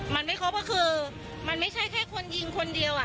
มันไม่ครบก็คือมันไม่ใช่แค่คนยิงคนเดียว